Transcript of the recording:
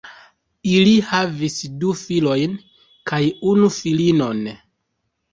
Ili havis du filojn kaj unu filinon.